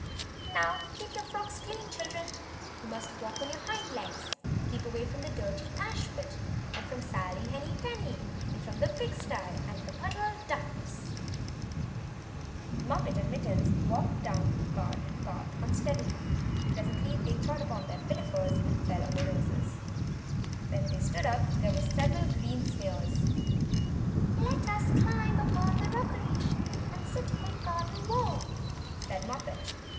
"Now keep your frocks clean, children! You must walk on your hind legs. Keep away from the dirty ash pit, and from Sally Henny Penny, and from the pig stye and the Puddle Ducks." Moppet and Mittens walked down the garden path unsteadily. Presently they trod upon their pinafores and fell on their noses. When they stood up there were several green smears! "Let us climb up the rockery, and sit on the garden wall," said Moppet.